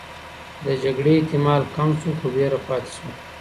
د جګړې احتمال کم شو، خو ویره پاتې شوه.